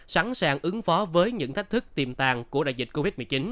sẵn sàng ứng phó với những thách thức tiềm tàng của đại dịch covid một mươi chín